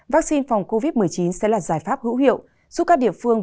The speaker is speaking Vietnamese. vaccine phòng covid một mươi chín sẽ là giải pháp hữu hiệu giúp các địa phương